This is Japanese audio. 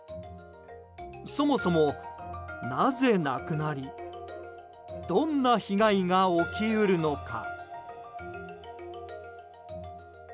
そもそも、なぜなくなりどんな被害が起き得るのか。